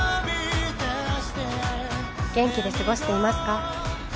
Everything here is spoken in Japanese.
「元気で過ごしていますか？」